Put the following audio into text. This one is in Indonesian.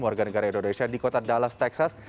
warga negara indonesia di kota dallas texas